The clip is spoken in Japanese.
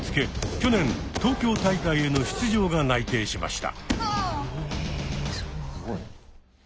去年東京大会への出場が内定しました。